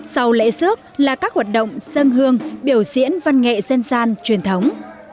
sau lễ sước là các hoạt động sân hương biểu diễn văn nghệ dân gian truyền thống